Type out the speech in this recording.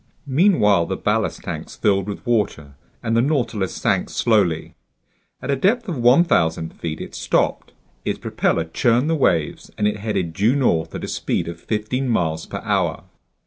Meanwhile the ballast tanks filled with water and the Nautilus sank slowly. At a depth of 1,000 feet, it stopped. Its propeller churned the waves and it headed due north at a speed of fifteen miles per hour.